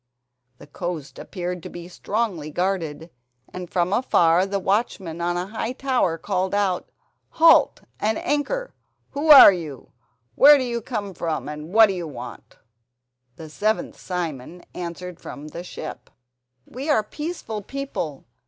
The coast appeared to be strongly guarded, and from afar the watchman on a high tower called out: "Halt and anchor! Who are you? Where do you come from, and what do you want?" The seventh Simon answered from the ship: "We are peaceful people.